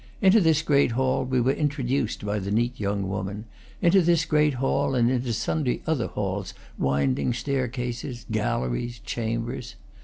Into this great hall we were introduced by the neat young woman, into this great hall and into sundry other halls, winding staircases, galleries, chambers.